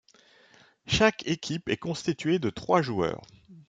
Chaque équipe est constituée de trois joueurs.